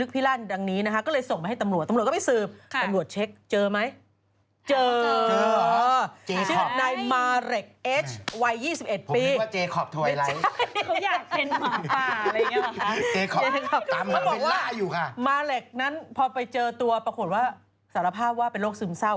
เค้าบอกว่ามาแล็กนั้นพอไปเจอตัวประโหลว่าสารภาพว่าเป็นโรคซึมเศร้า